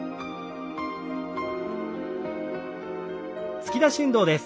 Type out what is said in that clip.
突き出し運動です。